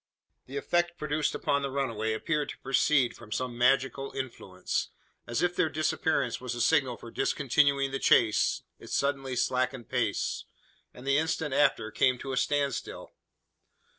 The effect produced upon the runaway appeared to proceed from some magical influence. As if their disappearance was a signal for discontinuing the chase, it suddenly slackened pace; and the instant after came to a standstill!